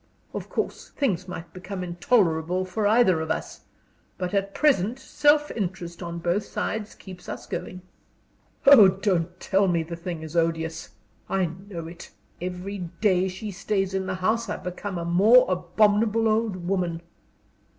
Of course, things might become intolerable for either of us. But at present self interest on both sides keeps us going. Oh, don't tell me the thing is odious! I know it. Every day she stays in the house I become a more abominable old woman."